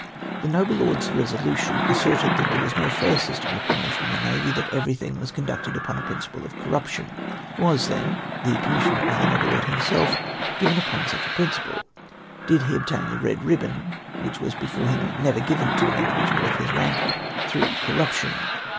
" The noble lord's resolution asserted that there was no fair system of promotion in tlie navy ; that everything was con ducted upon a principle of corruption. Was, then, the commission of the noble lord himself given him upon such a principle? Did he obtain the red ribbon, which was before him never given to an individual of his rank, through cor ruption